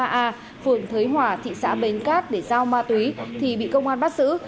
a phường thới hòa thị xã bến cát để giao ma túy thì bị công an bắt giữ